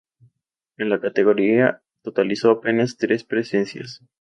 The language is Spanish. En la categoría, totalizó apenas tres presencias.